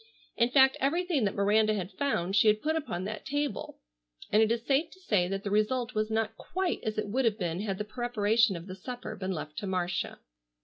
In fact, everything that Miranda had found she had put upon that table, and it is safe to say that the result was not quite as it would have been had the preparation of the supper been left to Marcia.